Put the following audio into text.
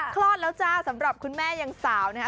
คลอดแล้วจ้าสำหรับคุณแม่ยังสาวนะคะ